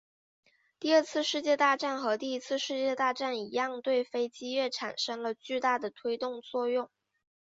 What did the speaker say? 第二次世界大战和第一次世界大战一样对飞机业产生了巨大的推动作用。